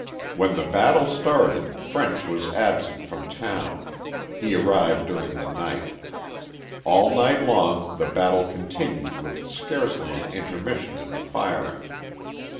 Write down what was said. When the battle started French was absent from town. He arrived during the night. All night long the battle continued with scarcely an intermission in the firing.